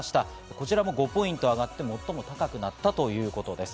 こちらも５ポイント上がってもっとも高くなったということです。